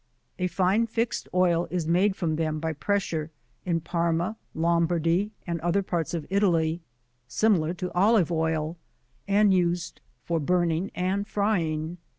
A fine fixed oil is made from them by pressure in Parma, Lombardy, and other parts of Italy, similar to Olive oil, and used for burning and frying.